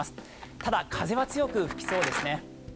ただ、風は強く吹きそうですね。